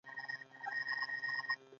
د پاندا نسل د ورکیدو په حال کې دی